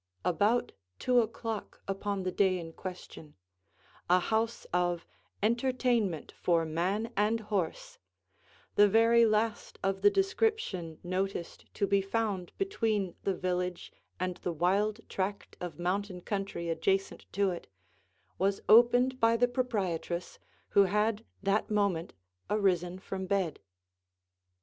About two o'clock upon the day in question, a house of "Entertainment for Man and Horse," the very last of the description noticed to be found between the village and the wild tract of mountain country adjacent to it, was opened by the proprietress, who had that moment arisen from bed.